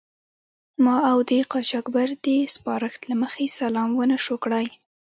ما او دې د قاچاقبر د سپارښت له مخې سلام و نه شو کړای.